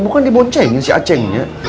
bukan diboncengin si acengnya